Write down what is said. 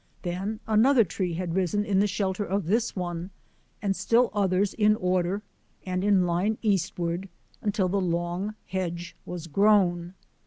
Then another tree had risen in the shelter of this one and still others in order and in line eastward, until the long hedge was grown.